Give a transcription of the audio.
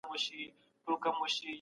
څېړونکی باید د خپل مذهب پلوي ونه کړي.